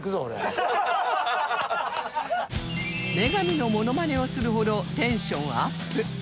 女神のモノマネをするほどテンションアップ！